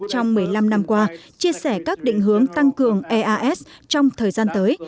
trong một mươi năm năm qua chia sẻ các định hướng tăng cường eas trong thời gian tới